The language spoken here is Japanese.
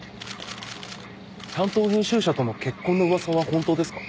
担当編集者との結婚の噂は本当ですか？